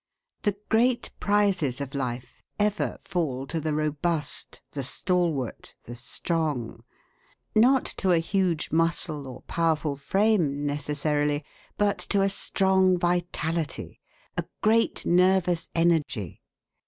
The great prizes of life ever fall to the robust, the stalwart, the strong, not to a huge muscle or powerful frame necessarily, but to a strong vitality, a great nervous energy.